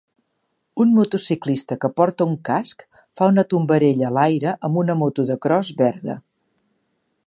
Un motociclista que porta un casc fa una tombarella a l'aire amb una moto de cros verda.